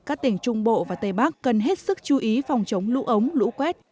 các tỉnh trung bộ và tây bắc cần hết sức chú ý phòng chống lũ ống lũ quét